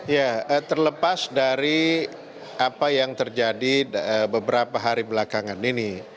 ya terlepas dari apa yang terjadi beberapa hari belakangan ini